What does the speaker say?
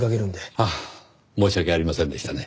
ああ申し訳ありませんでしたね。